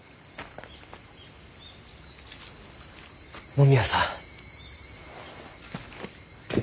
野宮さん。